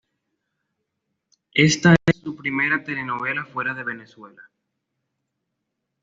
Esta es su primera telenovela fuera de Venezuela.